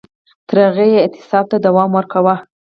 تر هغو یې اعتصاب ته دوام ورکاوه